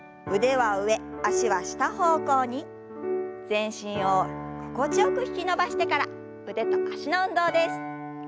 全身を心地よく引き伸ばしてから腕と脚の運動です。